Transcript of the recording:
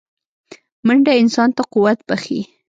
منډه انسان ته قوت بښي